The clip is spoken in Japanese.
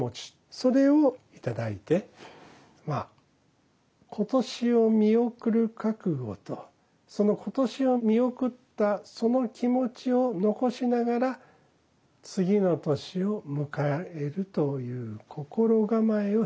それを頂いてまあ今年を見送る覚悟と今年を見送ったその気持ちを残しながら次の年を迎えるという心構えをしていくという節目ですね。